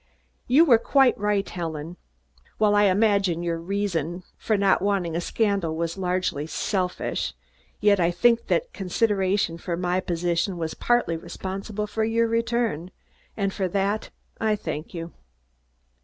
"You were quite right, Helen. While I imagine your reason for not wanting a scandal was largely selfish, yet I think that consideration for my position was partly responsible for your return, and for that I thank you.